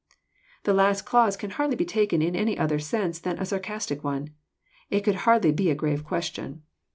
The last clause can hardly be taken in any other sense than a sarcastic one. It could haidly be a grave question.